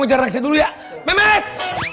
ngejar raksa dulu ya amet